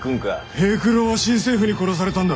平九郎は新政府に殺されたんだ！